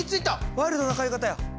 ワイルドな買い方や。